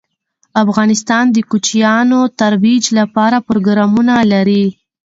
افغانستان د کوچیانو د ترویج لپاره پروګرامونه لري.